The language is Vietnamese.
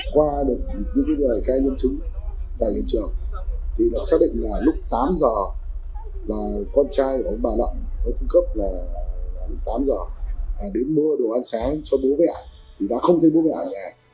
qua được những chuyện này khe nhân chứng tại hiện trường thì đã xác định là lúc tám giờ là con trai của ông bà lậm ông cấp là lúc tám giờ đến mua đồ ăn sáng cho bố mẹ thì đã không thấy bố mẹ ở nhà